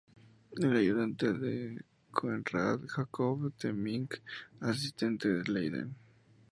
Era el ayudante de Coenraad Jacob Temminck asistente en Leiden.